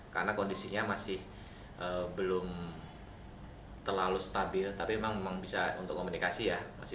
karena kondisinya masih belum terlalu stabil tapi memang bisa untuk komunikasi ya masih